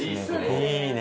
いいね。